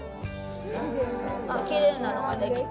あっきれいなのができた。